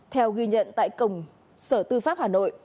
theo ghi nhận tại cổng sở tư pháp hà nội